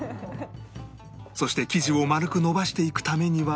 そして生地を丸く延ばしていくためには